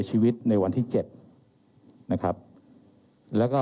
เรามีการปิดบันทึกจับกลุ่มเขาหรือหลังเกิดเหตุแล้วเนี่ย